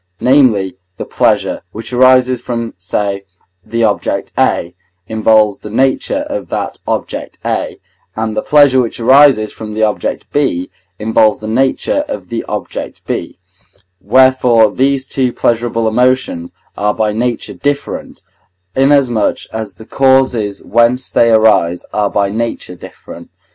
Namely, the pleasure, which arises from, say, the object A, involves the nature of that object A, and the pleasure, which arises from the object B, involves the nature of the object B; wherefore these two pleasurable emotions are by nature different, inasmuch as the causes whence they arise are by nature different.